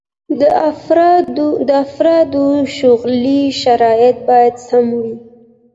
د افرادو شغلي شرايط بايد سم وي.